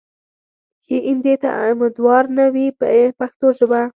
ښې ایندې ته امیدوار نه وي په پښتو ژبه.